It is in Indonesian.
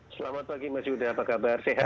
selamat pagi mas yuda apa kabar sehat